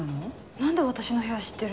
何で私の部屋知ってるんですか？